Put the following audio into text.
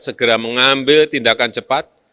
segera mengambil tindakan cepat